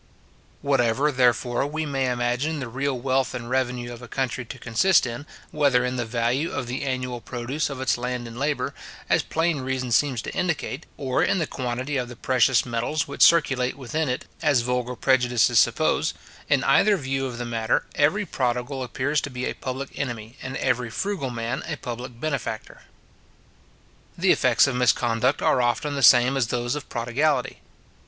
Whatever, therefore, we may imagine the real wealth and revenue of a country to consist in, whether in the value of the annual produce of its land and labour, as plain reason seems to dictate, or in the quantity of the precious metals which circulate within it, as vulgar prejudices suppose; in either view of the matter, every prodigal appears to be a public enemy, and every frugal man a public benefactor. The effects of misconduct are often the same as those of prodigality.